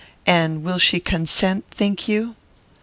And will she consent, think you?"